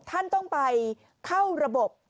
ท่านต้องไปเข้าระบบ